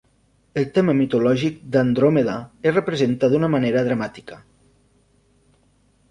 El tema mitològic d'Andròmeda es representa d'una manera dramàtica.